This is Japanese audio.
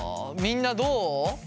みんなどう？